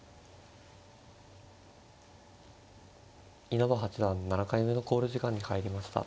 稲葉八段７回目の考慮時間に入りました。